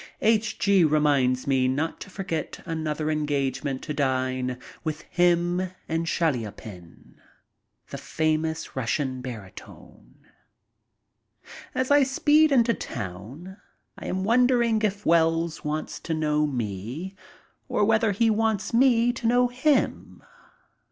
H. G. reminds me not to forget another engagement to dine with him and Chaliapin, the famous Russian barytone. As I speed into town I am wondering if Wells wants to know me or whether he wants me to know him.